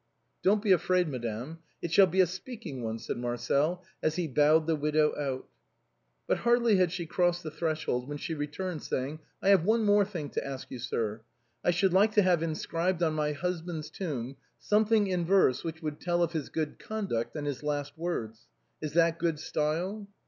*' Don't be afraid, madame, it shall be a speaking one," said Marcel, as he bowed the widow out. But hardly had she crossed the threshold when she returned, saying: " I have one thing more to ask you, sir ; I should like to have inscribed on my husband's tomb something in verse which would tell of his good conduct and his last words. Is that good style?"